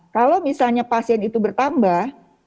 kalau misalnya pasien itu bertambah